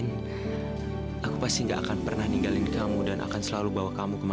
sampai jumpa di video selanjutnya